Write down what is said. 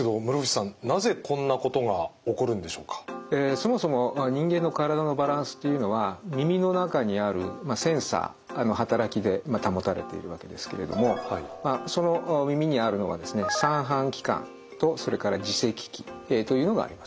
そもそも人間の体のバランスというのは耳の中にあるセンサーの働きで保たれているわけですけれどもその耳にあるのはですね三半規管とそれから耳石器というのがあります。